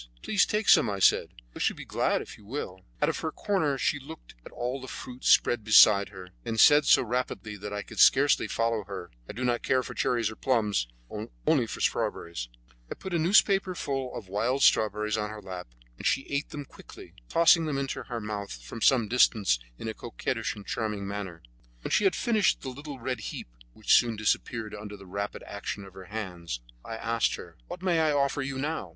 "Please take some," I said; "we shall be so glad if you will." Out of her corner she looked at all the fruit spread out beside her, and said so rapidly that I could scarcely follow her: "A me non piacciono ne le ciriegie ne le susine; amo soltano le fragole." "What does she say?" Paul asked. "That she does riot care for cherries or plums, but only for strawberries." I put a newspaper full of wild strawberries on her lap, and she ate them quickly, tossing them into her mouth from some distance in a coquettish and charming manner. When she had finished the little red heap, which soon disappeared under the rapid action of her hands, I asked her: "What may I offer you now?"